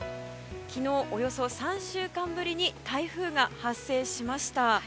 昨日、およそ３週間ぶりに台風が発生しました。